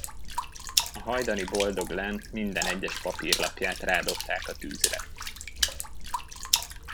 A hajdani boldog len minden egyes papírlapját rádobták a tűzre.